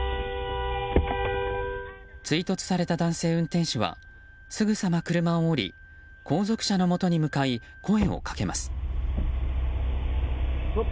追突された男性運転手はすぐさま車を降り後続車のもとに向かい声をかけます。